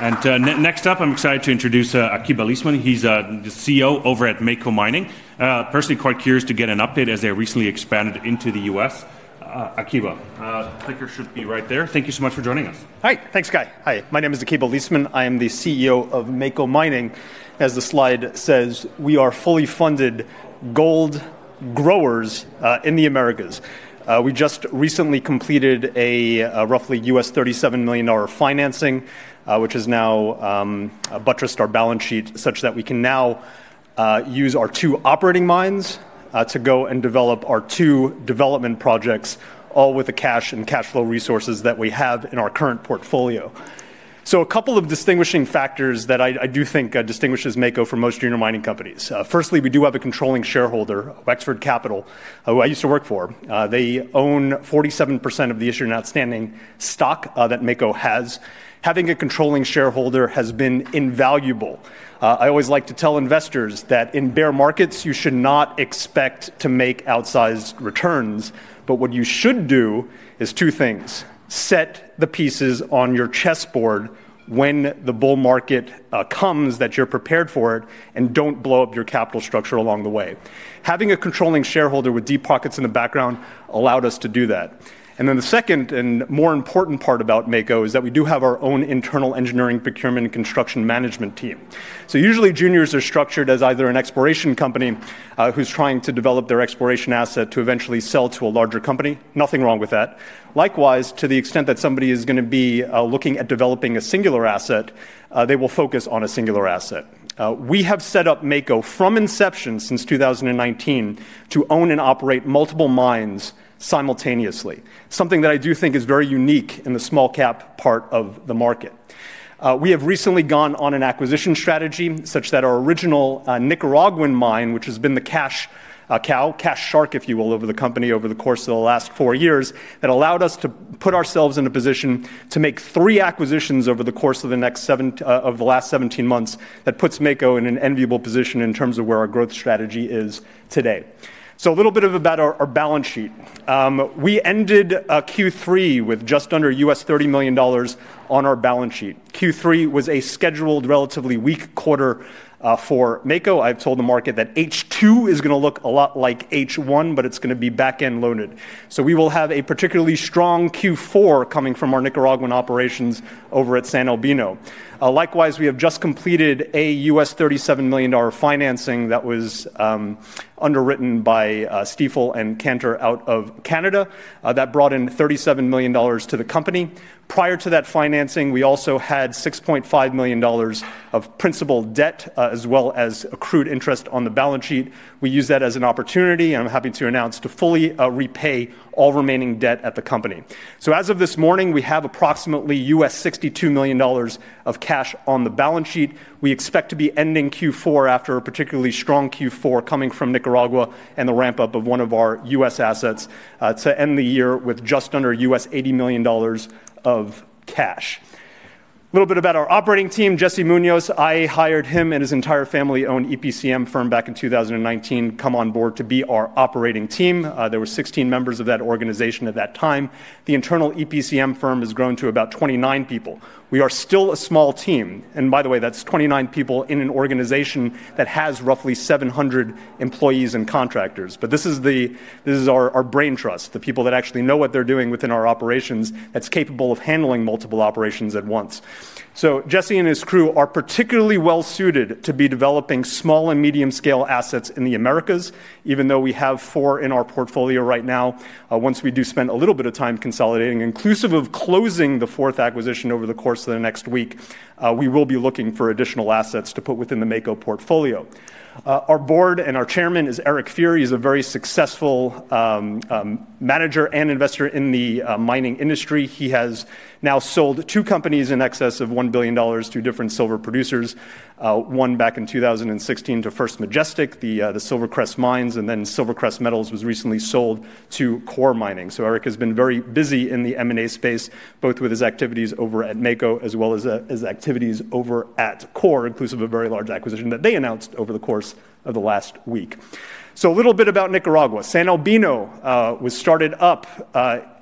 Next up, I'm excited to introduce Akiba Leisman. He's the CEO over at Mako Mining. Personally, quite curious to get an update as they recently expanded into the U.S. Akiba, I think you should be right there. Thank you so much for joining us. Hi, thanks, Guy. Hi, my name is Akiba Leisman. I am the CEO of Mako Mining. As the slide says, we are fully funded gold growers in the Americas. We just recently completed a roughly $37 million financing, which has now buttressed our balance sheet such that we can now use our two operating mines to go and develop our two development projects, all with the cash and cash flow resources that we have in our current portfolio. A couple of distinguishing factors that I do think distinguishes Mako from most junior mining companies. Firstly, we do have a controlling shareholder, Wexford Capital, who I used to work for. They own 47% of the issued and outstanding stock that Mako has. Having a controlling shareholder has been invaluable. I always like to tell investors that in bear markets, you should not expect to make outsized returns. What you should do is two things: set the pieces on your chessboard when the bull market comes, that you're prepared for it, and don't blow up your capital structure along the way. Having a controlling shareholder with deep pockets in the background allowed us to do that. The second and more important part about Mako is that we do have our own internal engineering, procurement, and construction management team. Usually, juniors are structured as either an exploration company who's trying to develop their exploration asset to eventually sell to a larger company. Nothing wrong with that. Likewise, to the extent that somebody is going to be looking at developing a singular asset, they will focus on a singular asset. We have set up Mako from inception since 2019 to own and operate multiple mines simultaneously, something that I do think is very unique in the small-cap part of the market. We have recently gone on an acquisition strategy such that our original Nicaraguan mine, which has been the cash cow, cash shark, if you will, over the company over the course of the last four years, that allowed us to put ourselves in a position to make three acquisitions over the course of the last 17 months that puts Mako in an enviable position in terms of where our growth strategy is today. A little bit about our balance sheet. We ended Q3 with just under $30 million on our balance sheet. Q3 was a scheduled, relatively weak quarter for Mako. I've told the market that H2 is going to look a lot like H1, but it's going to be back-end loaded. We will have a particularly strong Q4 coming from our Nicaraguan operations over at San Albino. Likewise, we have just completed a $37 million financing that was underwritten by Stifel and Cantor out of Canada that brought in $37 million to the company. Prior to that financing, we also had $6.5 million of principal debt as well as accrued interest on the balance sheet. We use that as an opportunity, and I'm happy to announce to fully repay all remaining debt at the company. As of this morning, we have approximately $62 million of cash on the balance sheet. We expect to be ending Q4 after a particularly strong Q4 coming from Nicaragua and the ramp-up of one of our U.S. assets to end the year with just under U.S. $80 million of cash. A little bit about our operating team, Jesse Muñoz. I hired him and his entire family-owned EPCM firm back in 2019 to come on board to be our operating team. There were 16 members of that organization at that time. The internal EPCM firm has grown to about 29 people. We are still a small team. By the way, that's 29 people in an organization that has roughly 700 employees and contractors. This is our brain trust, the people that actually know what they're doing within our operations that's capable of handling multiple operations at once. Jesse and his crew are particularly well-suited to be developing small and medium-scale assets in the Americas, even though we have four in our portfolio right now. Once we do spend a little bit of time consolidating, inclusive of closing the fourth acquisition over the course of the next week, we will be looking for additional assets to put within the Mako portfolio. Our board and our Chairman is Eric Feary, He's a very successful manager and investor in the mining industry. He has now sold two companies in excess of $1 billion to different silver producers, one back in 2016 to First Majestic, the Silvercrest Mines, and then SilverCrest Metals was recently sold to Coeur Mining. Eric has been very busy in the M&A space, both with his activities over at Mako as well as his activities over at Coeur, inclusive of a very large acquisition that they announced over the course of the last week. A little bit about Nicaragua. San Albino was started up.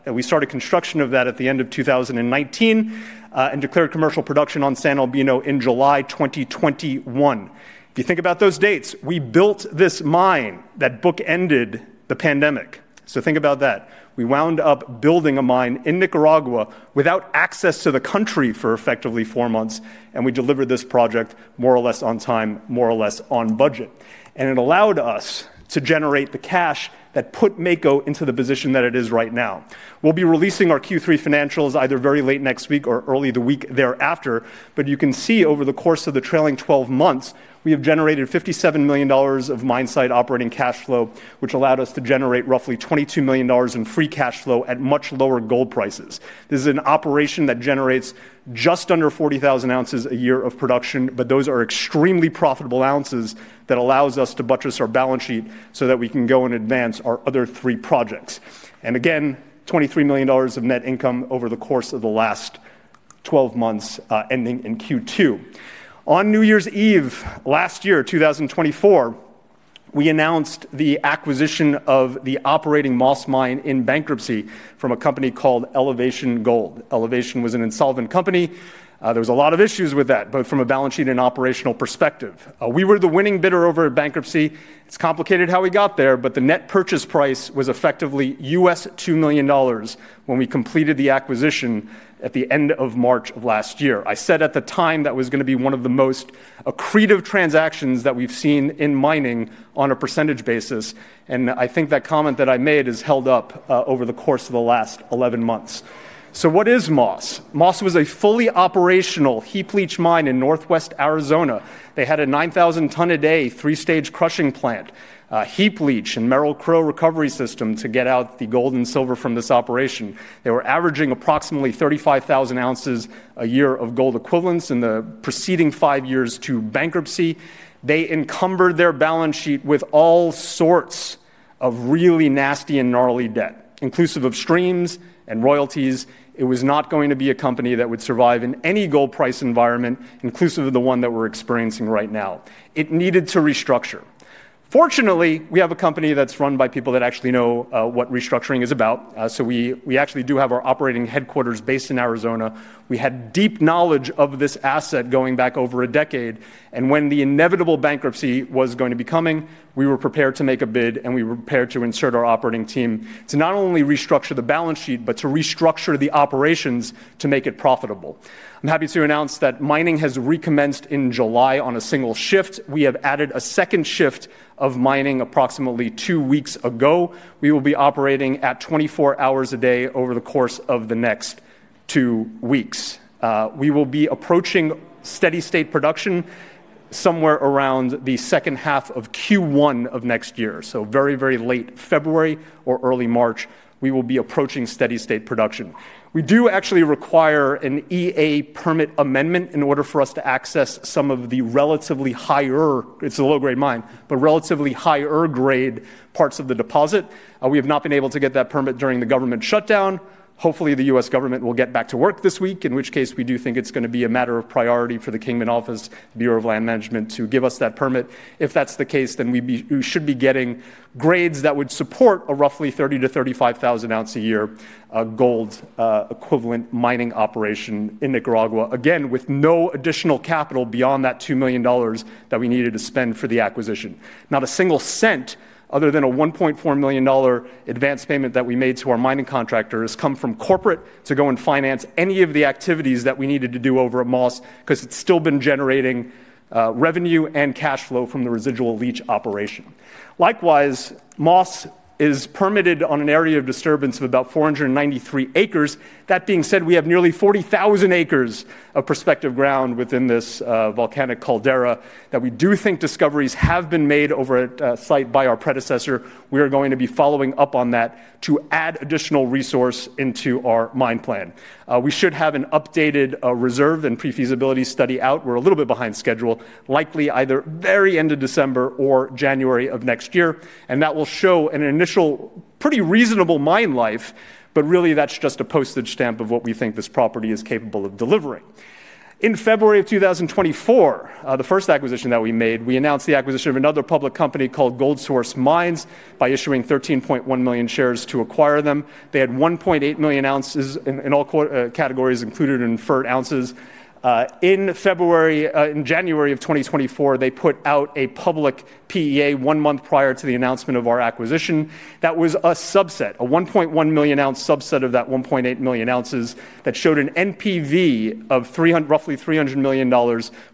We started construction of that at the end of 2019 and declared commercial production on San Albino in July 2021. If you think about those dates, we built this mine that bookended the pandemic. Think about that. We wound up building a mine in Nicaragua without access to the country for effectively four months, and we delivered this project more or less on time, more or less on budget. It allowed us to generate the cash that put Mako into the position that it is right now. We will be releasing our Q3 financials either very late next week or early the week thereafter. You can see over the course of the trailing 12 months, we have generated $57 million of mine site operating cash flow, which allowed us to generate roughly $22 million in free cash flow at much lower gold prices. This is an operation that generates just under 40,000 ounces a year of production, but those are extremely profitable ounces that allows us to buttress our balance sheet so that we can go and advance our other three projects. Again, $23 million of net income over the course of the last 12 months ending in Q2. On New Year's Eve last year, 2024, we announced the acquisition of the operating Moss Mine in bankruptcy from a company called Elevation Gold. Elevation was an insolvent company. There were a lot of issues with that, both from a balance sheet and operational perspective. We were the winning bidder over bankruptcy. It is complicated how we got there, but the net purchase price was effectively $2 million when we completed the acquisition at the end of March of last year. I said at the time that was going to be one of the most accretive transactions that we've seen in mining on a percentage basis. I think that comment that I made has held up over the course of the last 11 months. What is Moss? Moss was a fully operational heap leach mine in northwest Arizona. They had a 9,000-ton-a-day three-stage crushing plant, heap leach, and Merrill Crowe recovery system to get out the gold and silver from this operation. They were averaging approximately 35,000 ounces a year of gold equivalents in the preceding five years to bankruptcy. They encumbered their balance sheet with all sorts of really nasty and gnarly debt, inclusive of streams and royalties. It was not going to be a company that would survive in any gold price environment, inclusive of the one that we're experiencing right now. It needed to restructure. Fortunately, we have a company that's run by people that actually know what restructuring is about. We actually do have our operating headquarters based in Arizona. We had deep knowledge of this asset going back over a decade. When the inevitable bankruptcy was going to be coming, we were prepared to make a bid, and we were prepared to insert our operating team to not only restructure the balance sheet, but to restructure the operations to make it profitable. I'm happy to announce that mining has recommenced in July on a single shift. We have added a second shift of mining approximately two weeks ago. We will be operating at 24 hours a day over the course of the next two weeks. We will be approaching steady-state production somewhere around the second half of Q1 of next year. Very, very late February or early March, we will be approaching steady-state production. We do actually require an EA permit amendment in order for us to access some of the relatively higher—it's a low-grade mine—but relatively higher-grade parts of the deposit. We have not been able to get that permit during the government shutdown. Hopefully, the U.S. government will get back to work this week, in which case we do think it's going to be a matter of priority for the Kingman Office Bureau of Land Management to give us that permit. If that's the case, then we should be getting grades that would support a roughly 30,000-35,000 ounces a year of gold equivalent mining operation in Nicaragua, again, with no additional capital beyond that $2 million that we needed to spend for the acquisition. Not a single cent other than a $1.4 million advance payment that we made to our mining contractors come from corporate to go and finance any of the activities that we needed to do over at Moss because it's still been generating revenue and cash flow from the residual leach operation. Likewise, Moss is permitted on an area of disturbance of about 493 acres. That being said, we have nearly 40,000 acres of prospective ground within this volcanic caldera that we do think discoveries have been made over at site by our predecessor. We are going to be following up on that to add additional resource into our mine plan. We should have an updated reserve and pre-feasibility study out. We're a little bit behind schedule, likely either very end of December or January of next year. That will show an initial pretty reasonable mine life, but really that's just a postage stamp of what we think this property is capable of delivering. In February of 2024, the first acquisition that we made, we announced the acquisition of another public company called Goldsource Mines by issuing 13.1 million shares to acquire them. They had 1.8 million ounces in all categories included in FERT ounces. In January of 2024, they put out a public PEA one month prior to the announcement of our acquisition. That was a subset, a 1.1 million ounce subset of that 1.8 million ounces that showed an NPV of roughly $300 million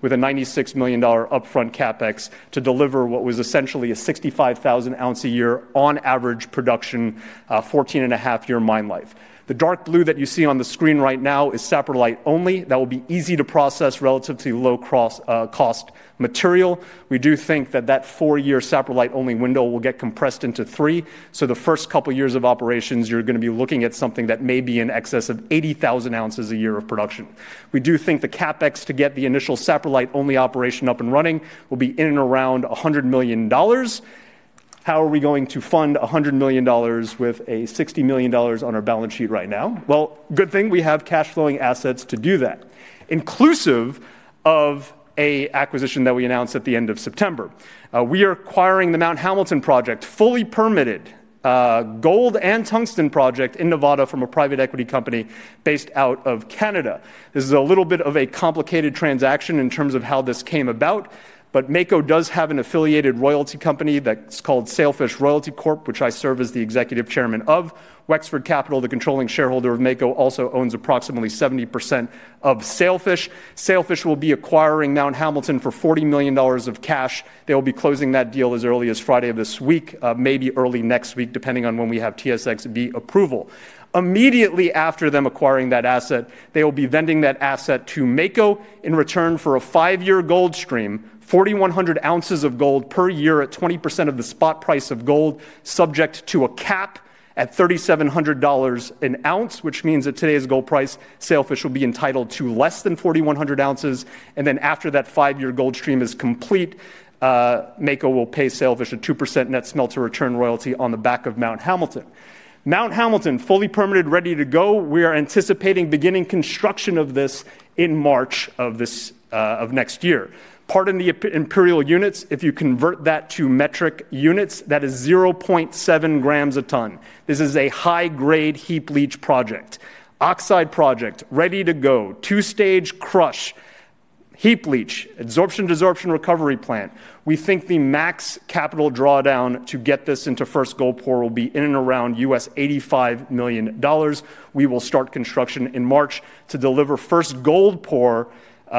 with a $96 million upfront CapEx to deliver what was essentially a 65,000 ounce a year on average production, 14 and a half year mine life. The dark blue that you see on the screen right now is saprolite only. That will be easy to process, relatively low cost material. We do think that that four-year saprolite only window will get compressed into three. The first couple of years of operations, you're going to be looking at something that may be in excess of 80,000 ounces a year of production. We do think the CapEx to get the initial saprolite only operation up and running will be in and around $100 million. How are we going to fund $100 million with $60 million on our balance sheet right now? Good thing we have cash-flowing assets to do that, inclusive of an acquisition that we announced at the end of September. We are acquiring the Mount Hamilton project, fully permitted gold and tungsten project in Nevada from a private equity company based out of Canada. This is a little bit of a complicated transaction in terms of how this came about, but Mako does have an affiliated royalty company that's called Sailfish Royalty Corp, which I serve as the Executive Chairman of Wexford Capital, the controlling shareholder of Mako, also owns approximately 70% of Sailfish. Sailfish will be acquiring Mount Hamilton for $40 million of cash. They will be closing that deal as early as Friday of this week, maybe early next week, depending on when we have TSX.B approval. Immediately after them acquiring that asset, they will be vending that asset to Mako in return for a five-year gold stream, 4,100 ounces of gold per year at 20% of the spot price of gold, subject to a cap at $3,700 an ounce, which means at today's gold price, Sailfish will be entitled to less than 4,100 ounces. After that five-year gold stream is complete, Mako will pay Sailfish a 2% net smelter return royalty on the back of Mount Hamilton. Mount Hamilton, fully permitted, ready to go. We are anticipating beginning construction of this in March of next year. Pardon the imperial units. If you convert that to metric units, that is 0.7 grams a ton. This is a high-grade heap leach project, oxide project, ready to go, two-stage crush, heap leach, absorption-dissorption recovery plant. We think the max capital drawdown to get this into first gold pour will be in and around $85 million. We will start construction in March to deliver first gold pour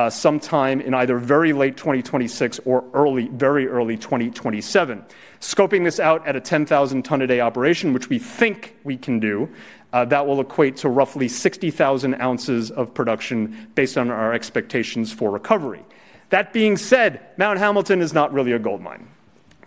sometime in either very late 2026 or very early 2027. Scoping this out at a 10,000-ton-a-day operation, which we think we can do, that will equate to roughly 60,000 ounces of production based on our expectations for recovery. That being said, Mount Hamilton is not really a gold mine.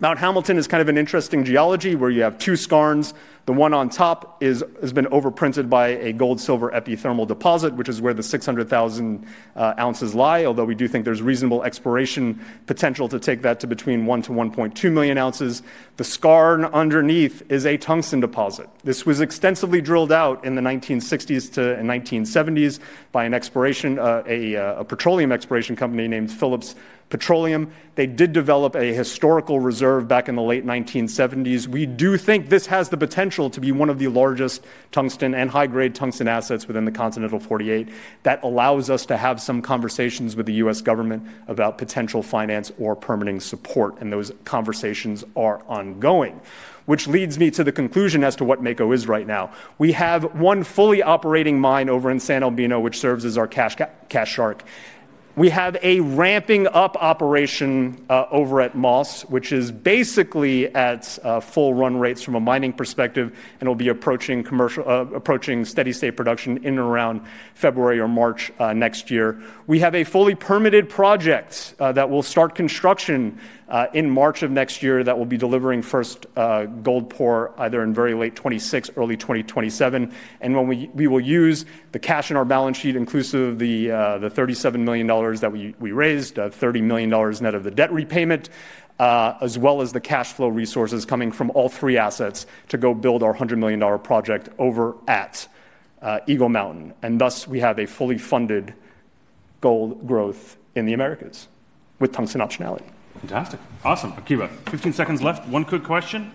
Mount Hamilton is kind of an interesting geology where you have two scarns. The one on top has been overprinted by a gold-silver epithermal deposit, which is where the 600,000 ounces lie, although we do think there's reasonable exploration potential to take that to between 1 to 1.2 million ounces. The scarn underneath is a tungsten deposit. This was extensively drilled out in the 1960s to 1970s by a petroleum exploration company named Phillips Petroleum. They did develop a historical reserve back in the late 1970s. We do think this has the potential to be one of the largest tungsten and high-grade tungsten assets within the continental 48 that allows us to have some conversations with the U.S. government about potential finance or permitting support. Those conversations are ongoing, which leads me to the conclusion as to what Mako is right now. We have one fully operating mine over in San Albino, which serves as our cash shark. We have a ramping-up operation over at Moss, which is basically at full run rates from a mining perspective, and it will be approaching steady-state production in and around February or March next year. We have a fully permitted project that will start construction in March of next year that will be delivering first gold pour either in very late 2026, early 2027. We will use the cash in our balance sheet, inclusive of the $37 million that we raised, $30 million net of the debt repayment, as well as the cash flow resources coming from all three assets to go build our $100 million project over at Eagle Mountain. We have a fully funded gold growth in the Americas with tungsten optionality. Fantastic. Awesome. Akiba, 15 seconds left. One quick question.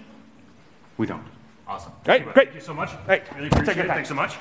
We don't. Awesome. Great. Thank you so much. Great. Thanks so much.